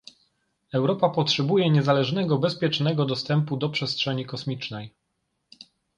Europa potrzebuje niezależnego, bezpiecznego dostępu do przestrzeni kosmicznej